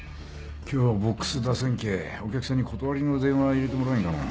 今日はボックス出せんけぇお客さんに断りの電話入れてもらえんかのう。